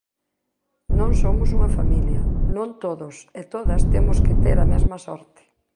Non somos unha familia; non todos e todas temos que ter a mesma sorte.